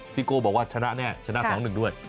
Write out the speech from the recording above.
ซิโก้บอกว่าชนะแน่ชนะ๒๑ด้วย